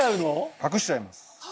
隠しちゃいます